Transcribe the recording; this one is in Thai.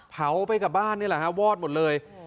เผาไปกับบ้านนี่แหละฮะวอดหมดเลย